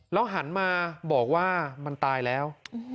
แล้วหันมาบอกว่ามันตายแล้ว